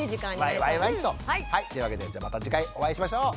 はいというわけでまた次回お会いしましょう。